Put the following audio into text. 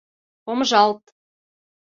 Помыжалт.